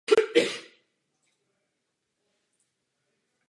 Račte, paní.